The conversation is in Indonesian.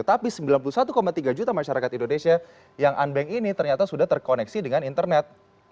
tapi sembilan puluh satu tiga juta masyarakat indonesia yang unbank ini ternyata sudah terkoneksi dengan internet